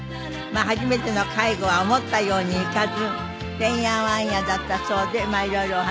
初めての介護は思ったようにいかずてんやわんやだったそうでまあ色々お話伺います。